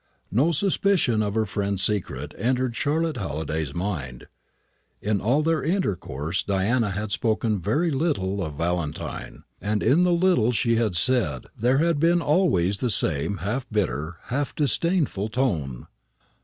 No suspicion of her friend's secret entered Charlotte Halliday's mind. In all their intercourse Diana had spoken very little of Valentine; and in the little she had said there had been always the same half bitter, half disdainful tone.